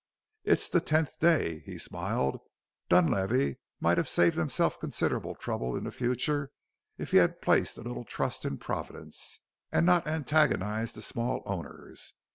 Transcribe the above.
"It's the tenth day," he smiled. "Dunlavey might have saved himself considerable trouble in the future if he had placed a little trust in Providence and not antagonized the small owners.